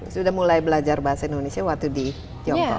sudah mulai belajar bahasa indonesia waktu di tiongkok